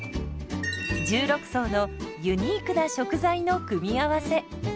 １６層のユニークな食材の組み合わせ。